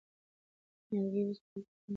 نیالګي اوس په لویو ونو بدل شوي دي.